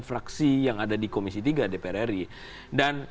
fraksi yang ada di komisi tiga dpr ri dan